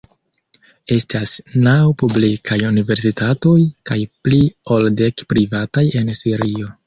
Estas naŭ publikaj universitatoj kaj pli ol dek privataj en Sirio.